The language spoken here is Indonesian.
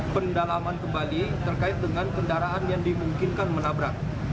pendalaman kembali terkait dengan kendaraan yang dimungkinkan menabrak